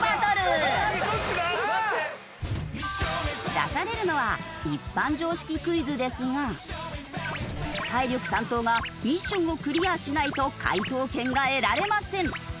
出されるのは一般常識クイズですが体力担当がミッションをクリアしないと解答権が得られません。